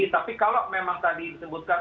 tapi kalau memang tadi disebutkan